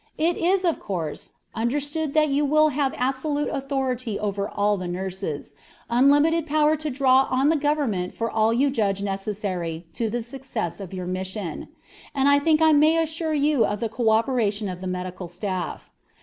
It is, of course, understood that you will have absolute authority over all the nurses, unlimited power to draw on the government for all you judge necessary to the success of your mission; and I think I may assure you of the co operation of the medical staff.